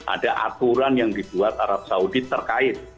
ada aturan yang dibuat arab saudi terkait